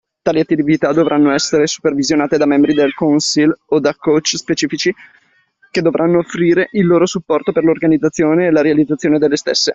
Tali attività dovranno essere supervisionate da membri del council o da coach specifici che dovranno offrire il loro supporto per l’organizzazione e la realizzazione delle stesse.